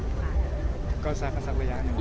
ก็คือภาษาภาษาพระยาก